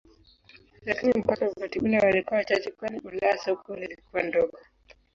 Lakini mpaka wakati ule walikuwa wachache kwani Ulaya soko lilikuwa dogo.